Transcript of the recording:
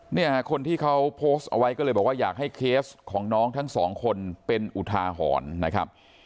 เนี่ยคนที่เขาโพสต์เอาไว้ก็เลยบอกว่าอยากให้เคสของน้องทั้งสองคนเป็นอุทาหรณ์นะครับ